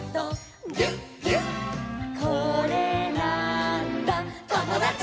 「これなーんだ『ともだち！』」